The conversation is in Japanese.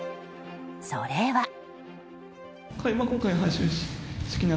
それは。